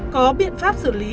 có biện pháp xử lý